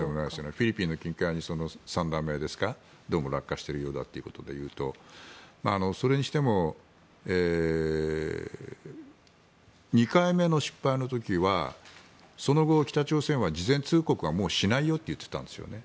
フィリピンの近海に３段目ですかどうも落下しているということでいうとそれにしても２回目の失敗の時はその後、北朝鮮は事前通告はもうしないよと言っていたんですね。